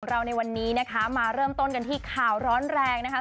เราในวันนี้นะคะมาเริ่มต้นกันที่ข่าวร้อนแรงนะคะ